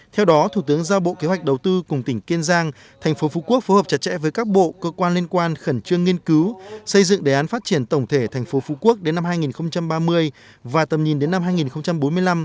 theo đó thủ tướng giao bộ kế hoạch đầu tư cùng tỉnh kiên giang thành phố phú quốc phù hợp chặt chẽ với các bộ cơ quan liên quan khẩn trương nghiên cứu xây dựng đề án phát triển tổng thể thành phố phú quốc đến năm hai nghìn ba mươi và tầm nhìn đến năm hai nghìn bốn mươi năm